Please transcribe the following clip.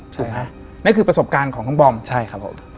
ถูกไหมนั่นคือประสบการณ์ของน้องบอมใช่ครับผม